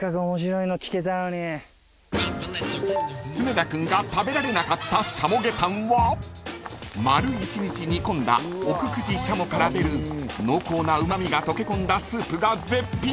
［常田君が食べられなかったシャモゲタンは丸一日煮込んだ奥久慈しゃもから出る濃厚なうま味が溶け込んだスープが絶品］